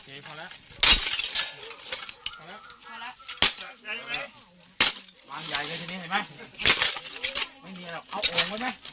เอาเลย